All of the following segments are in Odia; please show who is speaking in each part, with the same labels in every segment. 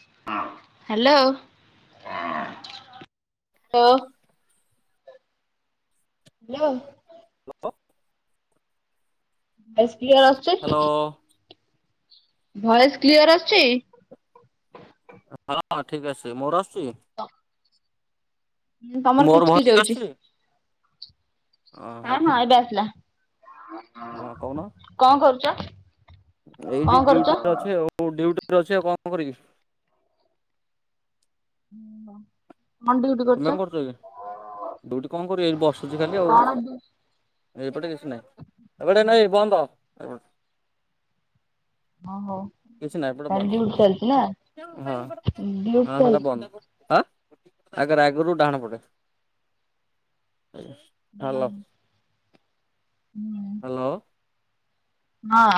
Speaker 1: [inaudible] Hello [inaudible] hello. Hello.
Speaker 2: Hello.
Speaker 1: SP ଇଆଡେ ଆସୁଛନ୍।
Speaker 2: Hello.
Speaker 1: ଭଏସ୍ କ୍ଲିଅର ଅସୁଛି।
Speaker 2: ହଁ ଠିକ ଅଛି। ମୋର ଆସୁଛି କି।
Speaker 1: ତ!
Speaker 2: ମୋର ମହ ଠିକ
Speaker 1: ହଉଛି।
Speaker 2: ଆସୁଛି। ଅ
Speaker 1: ହଁ ହଁ ଏବେ ଆସିଲା
Speaker 2: ହଁ କହୁନ
Speaker 1: କଣ କରୁଛ କଣ
Speaker 2: ଏଇଠି
Speaker 1: କରୁଛ?
Speaker 2: ଡିଉଟି ରେ ଅଛି ଡିଉଟି ଅଛି ଆଉ କଣ କରିବି।
Speaker 1: ହୁଁ
Speaker 2: ତୁମେ କଣ କରୁଛକି। ଦୁଇଟି କଣ କରିବେ ଏ ବସୁଛି ଖାଲି ଆଉ
Speaker 1: କଣ ଡ୍ୟୁ
Speaker 2: ଏ ପଟେ। ଏଟ ନାଇଁ ବନ୍ଦ
Speaker 1: [inaudible] ହଁ ହଉ।
Speaker 2: କିଛି ନାହିଁ ଏପଟେ ବନ୍ଦ
Speaker 1: ତାର ଡ଼ିଉଟି ଚାଲଚି ନା ଡ଼ିଉଟି କରୁ।
Speaker 2: ହାଁ ଆଗରେ ଆଗରୁ ଡାହାଣ ପଡେ ହୋଲ
Speaker 1: ହୁଁହୁଁ
Speaker 2: ହାଲୋ
Speaker 1: ହଁ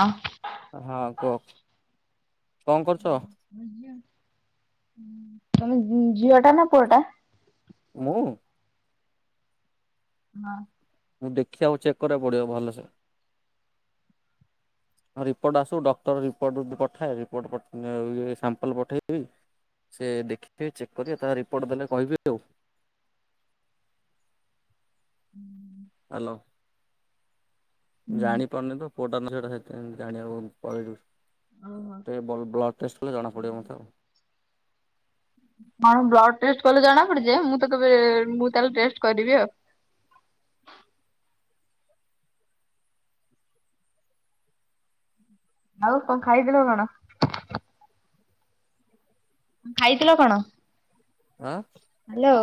Speaker 2: ହଁ କୁହ କଣ କରୁଛ
Speaker 1: ତମେ ଝିଅ ଟା ନା ପୁଅଟା
Speaker 2: ମୁଁ
Speaker 1: ହଁ
Speaker 2: ମୁଁ ଦେଖିବାକୁ ଚେକ୍ କରିବାକୁ ପଡିବ ଭଲସେ
Speaker 1: [inaudible]
Speaker 2: ହଁ ରିପୋର୍ଟ ଆସୁ ଡକ୍ଟର ରିପୋର୍ଟ ପଠାଏ ରିପୋର୍ଟ ଇଏ ସାମ୍ପଲ୍ ପଠେଇିଦେବୀ ସେ ଦେଖିବେ ଚେକ୍ କରି ତାାର ରିପୋର୍ଟ ଦେଲେ କହିବବେ ଆଉ
Speaker 1: ହୁଁ।
Speaker 2: ହ୍ୟାଲୋ ଜାଣିପାରୁନି ତ! ପୁଅଟା ନା ଝିଅ ଟା, ସେଥିଆଁ ଜାଣିବାକୁ
Speaker 1: ଓହୋ।
Speaker 2: କହିଲି। ବ୍ଲଡ ଟେଷ୍ଟ କଲେ ଜଣା ପଡିବ ମତେ
Speaker 1: ହଁବ୍ଲଡ଼ ଟେଷ୍ଟ କଲେ ଜଣା ପଡିଯାଏ ମୁଁ ତହେଲେ କେବେ ମୁଁ ତାହେଲେ ଟେଷ୍ଟ କରିବି ଆଉ ଆଉ କଅଁ ଖାଇ ଥିଲ କଣ? ଖାଇଥିଲ କଣ
Speaker 2: ହହ୍ହ
Speaker 1: ହ୍ୟାଲୋ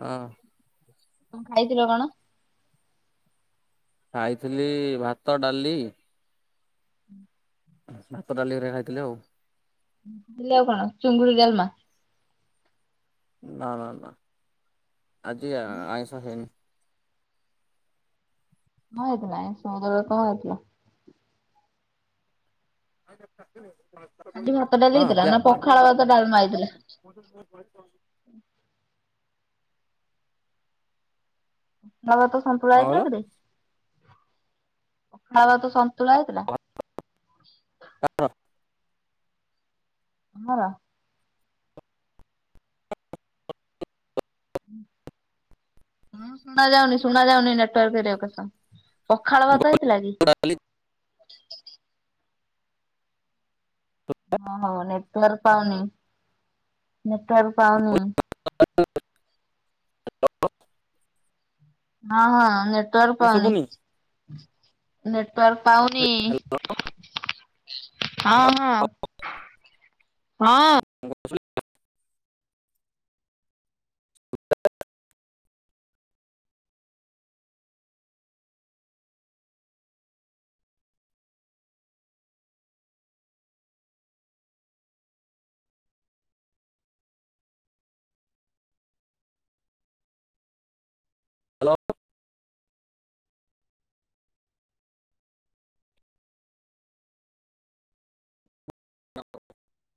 Speaker 2: ହଁ
Speaker 1: କଣ ଖାଇଥିଲ କଣ
Speaker 2: ଖାଇଥିଲି ଭାତ ଡାଲି। ଭକ ଡାଲି ଘରେ ଖାଇଥିଲେ ଆଉ
Speaker 1: ପିଲାଉ ପଣ, ଚିଙ୍ଗୁଡ଼ି ଡାଲମା।
Speaker 2: ନାଁ ନାଁ ନାଁ ଆଜି ଆଇଁଷ ହେଇନି।
Speaker 1: [unintelligible] କଣ ହଉଥିଲା? ଖାଲି ଭାତ ଡାଲି ହେଇଥିଲା ନା ପଖାଳ ଭାତ ଡାଲମା
Speaker 2: ହଁକିୟା
Speaker 1: ହେଇଥିଲା?
Speaker 2: [inaudible]
Speaker 1: ଳା ଭାତ ସନ୍ତୁଳା ହେଇଥିଲା
Speaker 2: କହିଲ?
Speaker 1: କିରେ? ଳା ଭାତ ସନ୍ତୁଳା ହେଇଥିଲା।
Speaker 2: ହ ଅ।
Speaker 1: ହଁ ହଁ ଶୁଣା ଯାଉନି ଶୁଣା ଯାଉନି ନନେଟୱାର୍କ ଭିଡିଓ ଆସ ପଖାଳ ଭାତ ହେଇଥିଲା କି ନେଟ୍ ୱାର ପାଉନି, ନେଟ୍ ୱାର ପାଉନି।
Speaker 2: [inaudible]
Speaker 1: ହଁ ହଁ ନେଟୱର୍କ ପାଉନି
Speaker 2: ଶୁଭୁନି।
Speaker 1: ନେଟୱର୍କ ପାଉନି ହଁ ହଁ ହଁ
Speaker 2: [inaudible] ହ୍ୟାଲୋ ନା